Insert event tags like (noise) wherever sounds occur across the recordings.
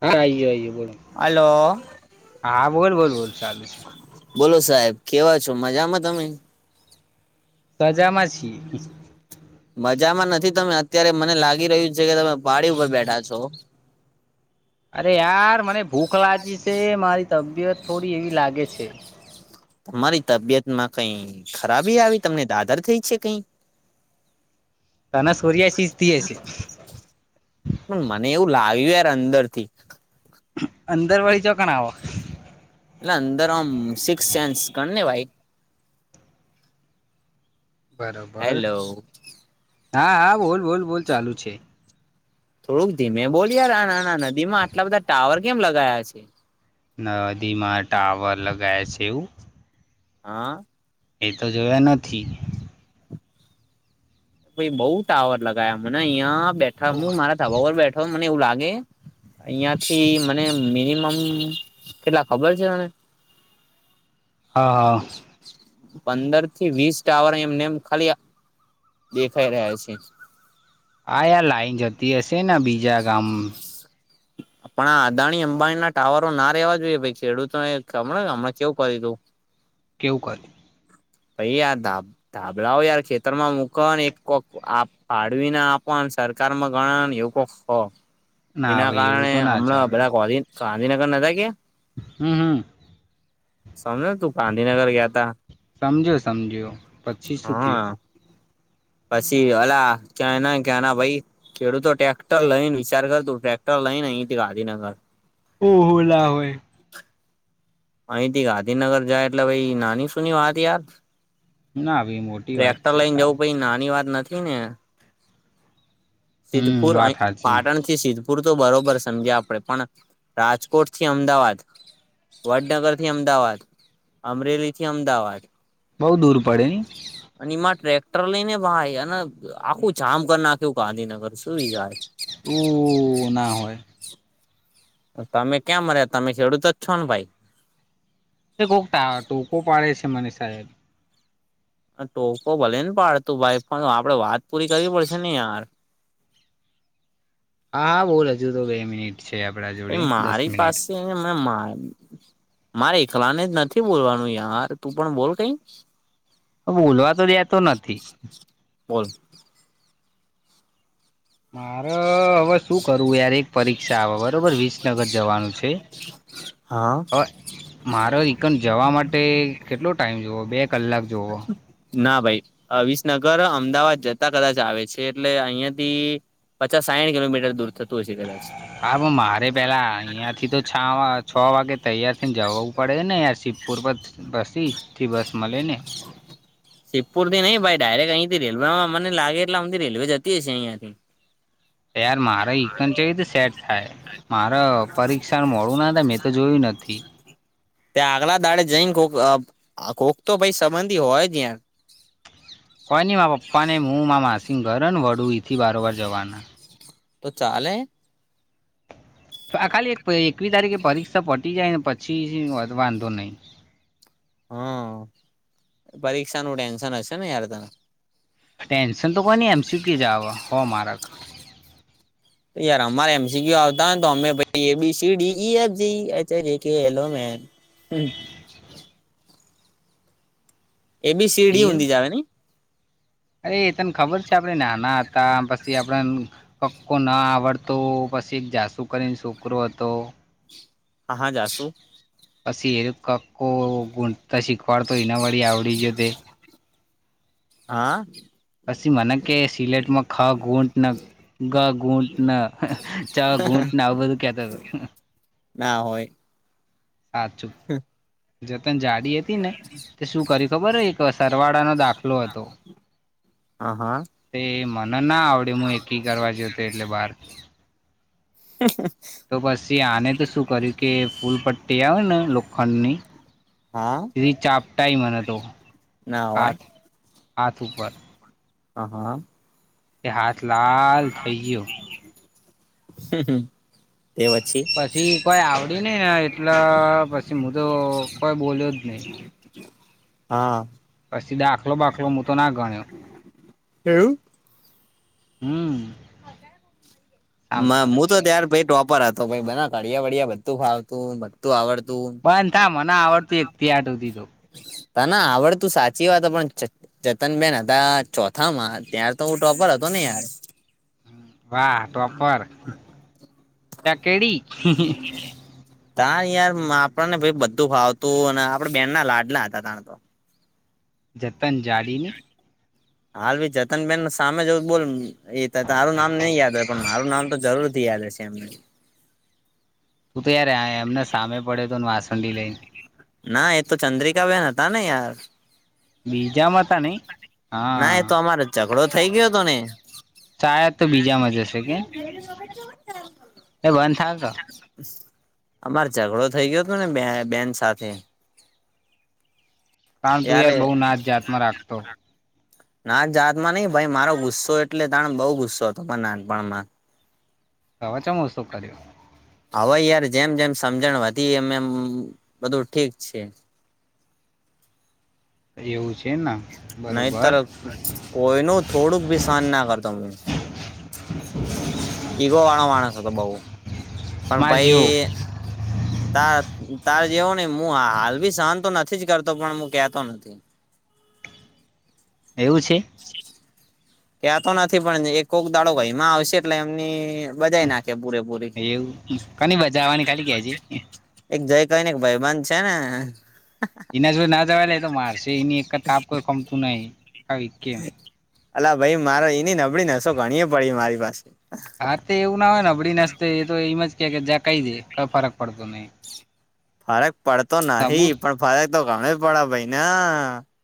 હા આઈયયો આઈયો બોલો. હાલો. હા બોલ બોલ બોલ ચાલુ છે બોલો સાહેબ કેવા છો મજામાં તમે મજામાં (inaudible) મજામાં નથી તમે અત્યારે મને લાગી રહ્યું છે કે તમે પાડી ઉપર બેઠા છો અરે યાર મને ભૂખ લાગી છે મારી તબિયત થોડી એવી લાગે છે તમારી તબિયત માં કઈ ખરાબી આવી તમને દાદર થઈ છે કઈ તને સૂર્યાશીષ થી હશે પણ મને એવું લાગ્યું યાર અંદર થી અંદરવાળી ચોકણ આવો એટલે અંદર આમ સિક્સ સેન્સ ગણ ને ભાઈ બરોબર હેલો હા હા બોલ બોલ બોલ ચાલુ છે થોડુંક ધીમે બોલી યાર આ નાના નદી માં આટલા બધા ટાવર કેમ લગાયા છે નદીમાં ટાવર લગાય છેવું હા એ તો જોયા નથી ભ બઉુ ટાવર લગાયા મને અહં બેઠા હું મારા ધાબાર બેઠો મને એવું લાગે અહિયાં થી મને મિનિમમ કેટલા ખબર છે મને હા હા પંદર થી વીસ ટાવર એમને એમ ખાલી દેખાઈ રહ્યા છે હા યાર લાઈન જતી હશે બીજા ગામ પણ આ અદાણી અંબાણી ના ટાવરો ના રેવા જોઈએ ભાઈ ખેડૂતોને હમ હમણાં કેવું કર્યું તું કેવું કરે પહી યા ડબ ધાબળઓ યાર ખેતર માં મૂકને એક પાાડવીને આપવા સરકારમાં ગણ પફો ના એના ભાઈ એવું કારણે તો ના હમણાં ચાલે બધા ગાંધીનગર ન કે્યા હમ્મ હમ્મ સમજોને તું ગાંધીનગર ગયા તા સમજિયો સમજિયો હા પછી અલા ક્યા ના ક્યાં ના ભાઈ ખેડૂતો ટ્રેક્ટર લઈ ને વિચાર કર તું ટ્રેક્ટર લઈ ને અહીથી ગાંધીનગર ઓહો લા હોય અહીથી ગાંધીનગર જાય એટલે ભાઈ નાની સુની વાત યાર ના આવી મો ટ્રેક્ટર લઈને જવું પછ નાની વાત નથી ને હમ સિદ્ધપુર અ વાત સાચી પાટણ સિદ્ધપુર તો બરોબર સમજે આપડે પણ રાજકોટ થી અમદાવાદ વડનગર થી અમદાવાદ અમરેલી થી અમદાવાદ બઉુ દૂર પડે ને અને એમાં ટ્રેક્ટર લઈ ને ભાઈ અને આખું જામ કર નાખ્યું ગાંધીનગર સુું યાર ઉ ના હોય તમે ક્યાં મર્યા તમે ખેડૂતો જ છો ને ભાઈ એ કોકતા ટું કો પાડે છે મને સાહેબ ટોકો ભલે ને પાડતું ભાઈ આપડે વાત પૂરી કરવી પડશે ને યાર હા હા બહુ રજુ તો બે મિનિટ છે આપણા જોડે દસ મિનિટ મે મા મારે એકલાને જ નથી બોલવાનું યાર તું પણ બોલ કઈ હ બોલવા તો દેતો નથી બોલ મારે હવે શું કરવું યાર એક પરીક્ષા આવે બરોબર વીસ નગર જવાનું છે હા હ મારો રિકડ જવા માટે કેટલો ટાઈમ જુવઓ બે કલાક જુવઓ ના ભાઈ અવસનગર અમદાવાદ જતા કદાચ આવે છે એટલે અહિયાંથી પચાસ સાહીઠ કિલોમીટર દૂર થતું હોય છે કદાચ હા મારે પેલા અહિયાયા થી તો છ છ વાગે તૈયારથી ને જવું પડે ને યાર શિવપુર પર બસીથી બસ મળે ને. શિવપુર થી નઈ ભાઈ ડાયરેક્ટ અહી થી રેલવેમાં મને લાગે એટલે અમથી રેલવે જતી હશે અહિયાયા થી (inaudible) યાર મારા કઈ રીતે સેટ થાય મારે પરીક્ષા મોડું ના થાય મેં તો જોયું નથી. પછી. ત્યા આગલા દાડે જઈને કોક કોક તો ભાઈ સંબંધી હોય ત્યાં. કોઈ નહી મા પપ્પા ને હું માં માસિંગ ઘર ને વડું થી વારોવાર જવાના. તો ચાલે. આ ખાલી એકવીસ તારીખે પરીક્ષા પટી જાય ને પછી વાંધો નહી. હમ્મ પરીક્ષા નું ટેન્શન હશે ને યાર તને. ટેન્શન તો કોઈ નહી એમસી ક્યુ જ આવ હો માર્ક. અરે અમારે એમસી ક્યુ આવતા હોયે તો અમે પછી A B C D E F G H I J K લ ઓ મનો હમ્મ એ બી સીડી એવું હૂંડી જવ આવે ને અરે એ તને ખબર છે આપડે નાના હતા પછી આપડ કક્કો ના આવડતો પછી જાસુ કરીને છોકરો હતો. હા જાશુ પછી એ કકો ગૂટતા શીખવાડતો એના વાળી આવડી જ તે હા. પછી મને કે સિલેટમાં ખા ઘૂંટ ના ગા ઘૂંટને ચા ઘૂંટના આ બધું કેતા હતા. ના હોય. સાચું. જતન જાડી હતી ને તે શું કર્યું ખબર હોય એક સરવાળાનો દાખલો હતો. હ હા. તે મને ના આવડે હું એકી કરવા જો તો એટલે બાર. (inaudible) તો પછી આને તો શું કર્યું કે ફૂલ પટ્ટી આવે ને લોખંડ ની હા ચાપટાાઈ મને તો ના હોય હાથ હાથ ઉપર હ હા તે હાથ લાલ થઈ ગયું (inaudible) એ પછી. પછી કોઈ આવડી નહી ને એટલે પછી હું તો કોઈ બોલ્યો જ નહી. હા. પછી દાખલો બાખલો હું તો ના ગણ્યો. એવું હમ્મ. માં હું તો ત્યાર ભાઈ ટોપર હતો બને ઘડિયા વડિયા બધું ફાવતું. તું આવડતું બંધ થા મને આવડતું એક થી આઠ સુધી તો ત ના આવડતું સાચી વાત પણ (unintelligible) જતન બેેન હતા ચોથા માં ત્યાાર તો હું ટોપર હતો ને યાર. વાહ ટોપર ચકેડી (unintelligible) તાર યાર આપણને ભાઈ બધું ખાવતું અને આપડે બેન ના લાડલા હતા તાતો. જતન જાડીની. હાલ ભી જતન બેેન ના સામે જ બોલ એ તો તારું નામ નહી યાદ હોય પણ મારું નામ તો જરૂરથી યાદ હશે એમને. તું તો યાર એ એમને સામે પડે તો ને વાસણડી લઈ ના એ તો ચંદ્રિકા બહેન હતા ને યાર. બીજા માં તા નહી ના એ હા. તો અમારે ઝઘડો થઈ ગયો હતો ને ચાયા તો બીજામાં જશે કે. એ બંધ (unintelligible) અમાર ઝઘડો થઇ ગયો હતો ને બે બેન સાથે. કારણ તું ત્યારે યાર બહુ નાચ જાતમાં રાખતો (unintelligible) ના જાતમાં નહીં ભાઈ મારો ગુસ્સો એટલે તણ બહુ ગુસ્સો હતો પણ નાનપણમાં. (unintelligible) શું કર્યો. હવે યાર જેમ જેમ સમજણ વધી એમ એમ બધું ઠીક છે. એવું છે ન. નહીત કોઈનું થોડુંક ભી સહાન ના કરતો. ઈગો વાળો માણસ હતો બઉ પણ માર ભાઈ જેવો તાર તાર જેવો નહીં હું હાલ ભી સહન તો નથી જ કરતો પણ હું કેતો નથી. એવું છે. ક્યાતો નથી પણ એકક દાડો ભાઈમાં આવશે એટલે એમની બજાઈ નાખે પૂરેપૂરી. એવું કની બજાવાની ખાલી કે જે. એક જઈ કઈને એક ભાઈબંધ છે ને એના જો ના જવાય લ તો મારશે એની એક તાપ કોઈ કમતું નહી. આવી કેમ અલા ભાઈ મારો એની નબળી નસો ઘણીએ પડી મારી પાસે. હા તો એવું ના હોય ને અબડી નાસ્તે એ તો એમ જ કે કે જ કઈ જાય કઈ ફરક પડતો નહી. ફરક પડતો સબૂત નહી પણ ફરક તો ગમે પડે ભાઈ ના.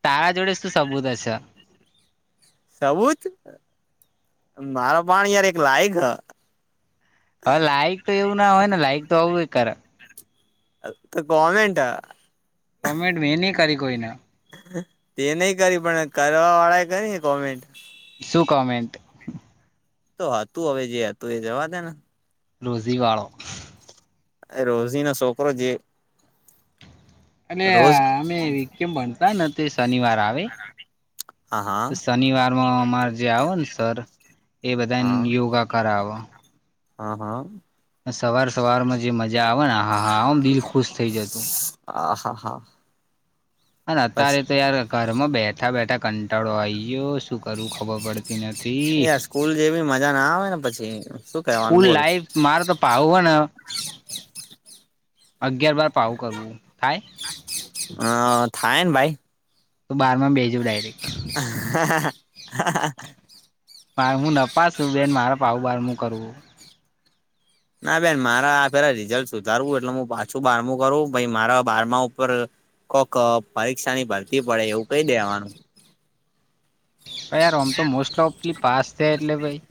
તારા જોડે શું સબૂત હશે. સબૂત મારા પાણી યાર એક લાયક હ. હવે લાઈક તો એવું ના હોય ને લાઈક તો આવું કરે. આ તો કોમેન્ટ આ. કોમેન્ટ મે ની કરી કોઈના. તે નહીં કરી પણ કરવા વાળા કરીને કોમેન્ટ. શું કમેન્ટ. તો હતું હવે જે હતું એ જવા દે ને. રૂઝી વાળો. એ રોઝી ના છોકરો જે અને રોજ અમે વ કેમ ભણતા ને તે શનિવાર આવે હા હા શનિવારમાં અમારે જે આવો ને સર એ હા બધાને યોગા કરાવો હા હા સવાર સવારમાં જે મજા આવે ને હા હામ દિલ ખુશ થઈ જતું આ હા હા અને અત્યારે તો પછી યાર ઘરમાં બેઠા બેઠા કંટાળો આ ગયો શું કરવું ખબર પડતી નથી યાર સ્કૂલ જેવી મજા ના આવે ને પછી શું કેવાનું બોલ લાઈવ મારે તો પાવું હોય ને અગિયાર બાર પાવું કરવું થાય હ થાય ને ભાઈ તો બારમાં બેજવ ડાયરેક્ટ (inaudible) મા હું નપશું બેન મારે ભાવ બાર નું કરવું ના બેન મારા પેલા રિઝલ્ટ સુધારવું એટલે હું પાછું બારમું કરું મારા બારમા ઉપર કોક પરીક્ષા ની ભરતી પડે એવું કઈ દેવાનું ભ ય આમ તો મોસ્ટ ઓફલી પાસ થયા એટલે ભાઈ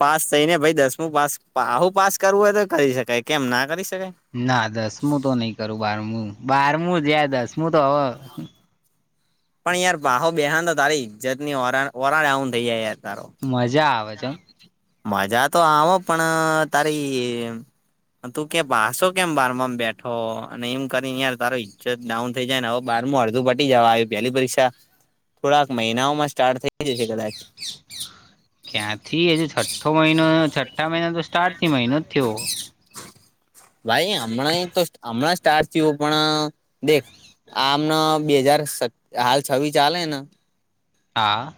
પાસ થઈ ને ભાઈ દસમું પાસ આવું પાસ કરવું હોય તો કરી શકાય કેમ ના કરી શકાય ના દસમું તો નઈ કરું બારમું બારમું જયા દસમું તો હવે પણ યાર બાહો બેહાન તારી જતની ઓ ઓરા ડાઉન થઈ જાય યાર મજા આવે છે મજા તો આવો પણ તારી તું કે બાસો કેમ બહાર માં બેઠો અને એમ કરી યાર તારો ઈજ્જત ડાઉન થઈ જાય હવે બાર અડધું પટી જવા આવી પહેલી પરીક્ષા થોડાક મહિનાઓમાં સ્ટાર્ટ થઈ જશે કદાચ ક્યાંથી હજુ છઠ્ઠો મહિનો છઠ્ઠા મહિના તો સ્ટાર્ટ થી મહિનો જ થયો ભાઈ હમણાં તો હમણાં સ્ટારત થીયો પણ દેખ આમના બે હજાર હાલ છવી ચાલેને હા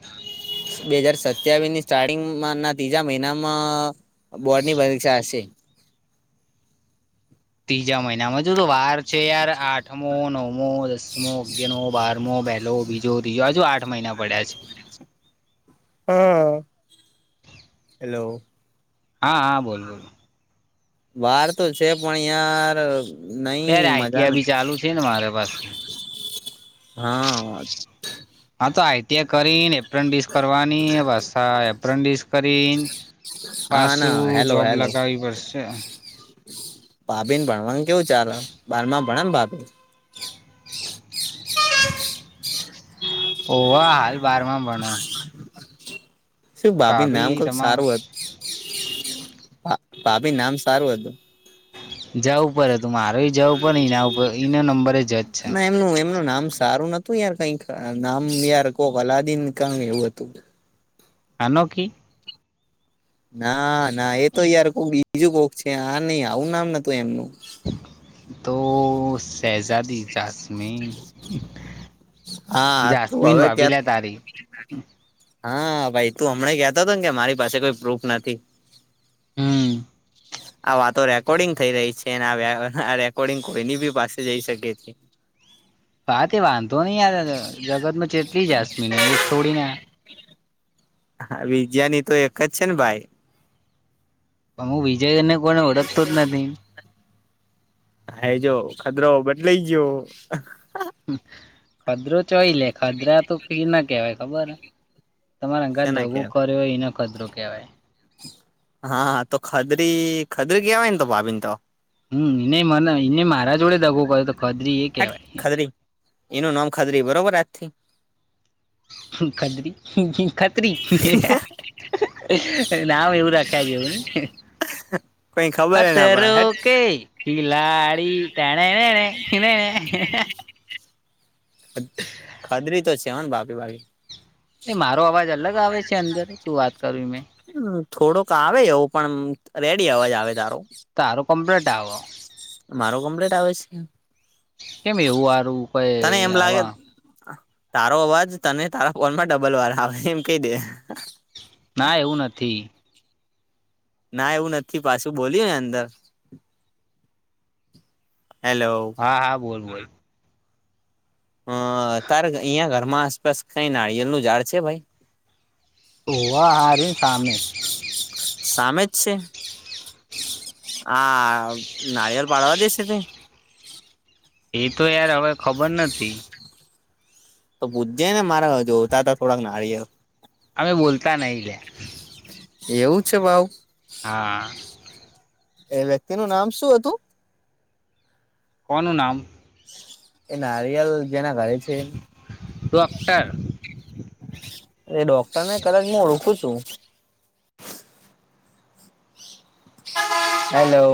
બે હજાર સત્યાવીસની સ્ટાર્ટિંગ ના ત્રીજા મહિનામાં બોર્ડ ની પરીક્ષા હશે ત્રીજા મહિનામાં જો તો વાર છે યાર આઠમ નવમો નવમો દસમો અગિયારમો બારમો પહેલો બીજો ત્રીજો હજુ આઠ મહિના પડ્યા છે. હા હેલો હા હા બોલ બોલ વાર તો છે પણ અહિયાંર નહી યાર મજા આઈટીઆઈ બી નથી ચાલુ છે ને મારે પાસે હા હા તો આ તે્યા કરીને એપ્રેન્ડિસ કરવાની બસ આ એપ્રેન્ડિસ કરી હા ના પાસું જોબ લગાવી પડશે ભાભી ને ભણવાનું કેવું ચાલ બારમાં ભણે ને ભાભી (inaudible) ઓવા હાલ બારમાં ભણે (inaudible) શું ભાભી નામ કક સારું હતું ભાભી નામ સારું હતું જવું પડે હતું મારે જવું પડે એના ઉપર એના નંબરે જ છે નહી એમનુ એમનું નામ સારું નતું યાર કઈ નામ યાર કો અલાદીન કણ એવું હતું અનોખી ના ના એ તો યાર કોક બીજું કોક છે આ નહ આવું નામ નતું એમનું તો શહેઝાદી જાસમીન હા તું જાસમીન હવે ભાભી ક્યાં લે તારી હા ભાઈ તું હમણા કતો હતો ને કે મારી પાસે કોઈ પ્રૂફ નથી હમ આ વાતો રેકોર્ડિંગ થઈ રહી છે આ આ રેકોર્ડિંગ કોઈની બી પાસે જઈ શકે છે. હ તે વાંધો નહી યાર જગત માં જેટલી જ જાસમિન એક થોડી ના હા વિજયા ની તો એક જ છે ને ભાઈ હું વિજયને કોને ઓળખતો જ નથી હા જો ખદરો બદલાઈ ગયો ખધરું ચોય લે ખધરા તો કી ના કેવાય ખબર તમારે હંગાંથ શેને દગું કેવાય કર્યો હોય એનો ખદરો કેવાય હા તો ખધરી ખધરી કવાય ને તો ભાભીને તો? હમ એને મને એને મારા જોડે દગો કર્યો તો ખાધરી એ હટ કેહેવાય ખદરી એનું નામ ખાધરી બરોબર આજથી ખડરી ખ નામ એવું રાખ્યા જેવું ને કઈ ખબર ના પડે ખતરો હેટ કે ખિલાડી તના એને એને કધ એને ખાધરી તો છે હોને ભાભી બાકી એ મારો અવાજ અલગ આવે છે અંદર તું વાત કરવી મેં મ થોડોક આવે એવું પણ રેડી અવાજ આવે તારો તારો કમ્પ્લીટ આવો મારો કમ્પ્લેટ આવે છે. કેમ એવું આરું તને કઈ એમ લાગે આવા તારો અવાજ તને તારા ફોન માં ડબલ વાળ આવે એમ કહી દે ના એવું નથી ના એવું નથી પાછું બોલ્યું ને અંદર હેલો હા હા બોલ બોલ અ તારે અહિયાં ઘરમાં આસપાસ કઈ નારિયેલ નું ઝાડ છે ભાઈ હોવ આર્યું ને સામે સામે જ છે? આ નારિયેળ પાડવા દેસે તાઈ એ તો યાર હવે ખબર નથી તો પૂજ જાય ને મારા જોતા હતા થોડાક નાળિયે અમે બોલતા નહી લ્યા એવું છે ભઉ હા એ વ્યક્તિ નું નામ શું હતું કોનું નામ એ નારિયેલ જેના ઘરે છે ડોક્ટર એ ડોક્ટરને કદાચ હું ઓળખું છું હેલો